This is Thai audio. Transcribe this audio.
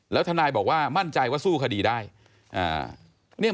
แล้วทนายบอกว่ามั่นใจว่าสู้คดีได้